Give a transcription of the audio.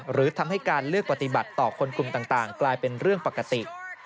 หรือทำให้การเลือกปฏิบัติต่อคนกลุ่มต่างกลายเป็นเรื่องปกติ